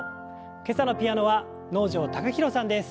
今朝のピアノは能條貴大さんです。